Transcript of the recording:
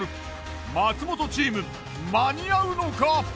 松本チーム間に合うのか！？